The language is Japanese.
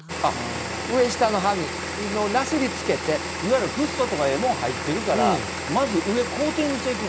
上下の歯に、いわゆるフッ素とかええもん入ってるから、まず上、コーティングしていく。